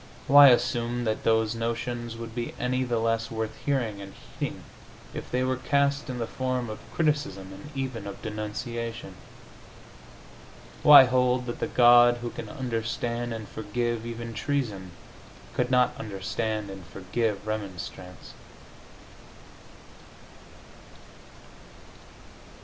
Why assume that those notions would be any the less worth hearing and heeding if they were cast in the form of criticism, and even of denunciation? Why hold that the God who can understand and forgive even treason could not understand and forgive remonstrance?